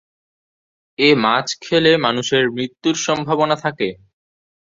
এ মাছ খেলে মানুষের মৃত্যুর সম্ভাবনা থাকে।